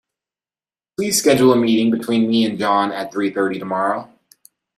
Please schedule a meeting between me and John at three thirty tomorrow.